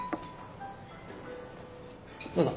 どうぞ。